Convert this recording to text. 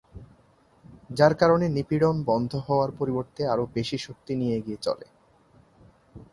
যার কারণে নিপীড়ন বন্ধ হওয়ার পরিবর্তে আরও বেশি শক্তি নিয়ে এগিয়ে চলে।